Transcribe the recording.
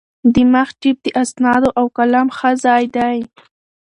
د مخ جېب د اسنادو او قلم ښه ځای دی.